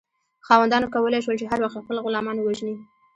خاوندانو کولی شول چې هر وخت خپل غلامان ووژني.